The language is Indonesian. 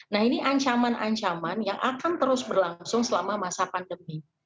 nah ini ancaman ancaman yang akan terus berlangsung selama masa pandemi